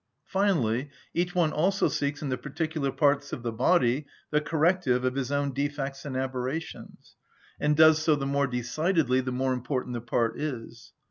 Finally, each one also seeks in the particular parts of the body the corrective of his own defects and aberrations, and does so the more decidedly the more important the part is.